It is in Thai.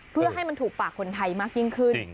เพื่อให้มันถูกปากคนไทยมากยิ่งขึ้น